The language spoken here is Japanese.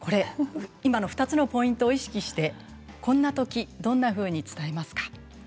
今の２つのポイントを意識してこんなときどんなふうに伝えますか？